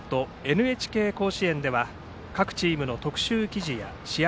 「ＮＨＫ甲子園」では各チームの特集記事や試合